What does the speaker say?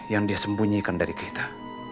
yang disembunyikan dari kita